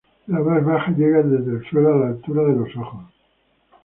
La más baja llega desde el suelo a la altura de los ojos.